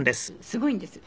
すごいんです。